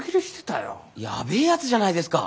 やべえやつじゃないですか。